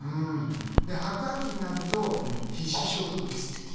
で白亜紀になると被子植物っていう。